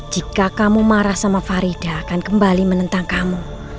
jika kamu marah sama farida akan kembali menentang kamu